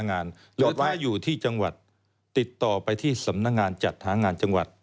หรือว่าอยู่ที่จังหวัดติดต่อไปที่สำนักงานจัดหางานจังหวัด